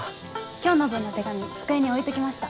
今日の分の手紙机に置いときました。